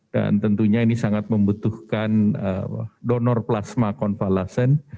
dan tentunya ini sangat membutuhkan donor plasma konvalesan